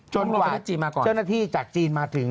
จนระหวะเจ้าหน้าที่จากจีนมาถึง